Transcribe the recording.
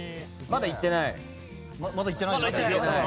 まだ行ってないですよ。